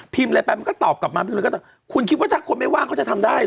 อะไรไปมันก็ตอบกลับมาคุณคิดว่าถ้าคนไม่ว่างเขาจะทำได้เห